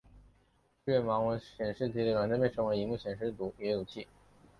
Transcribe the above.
支援盲文显示机的软件被称为萤幕阅读器。